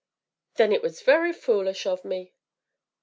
"Then it was very foolish of me."